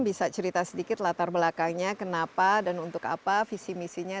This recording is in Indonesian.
bisa cerita sedikit latar belakangnya kenapa dan untuk apa visi misinya